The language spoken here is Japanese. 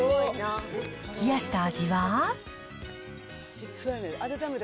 冷やした味は？